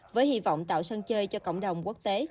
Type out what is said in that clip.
với hy vọng tạo sân chơi cho cộng đồng quốc tế